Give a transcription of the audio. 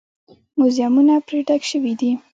موزیمونه پرې ډک شوي دي.